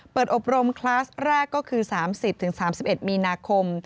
อบรมคลาสแรกก็คือ๓๐๓๑มีนาคม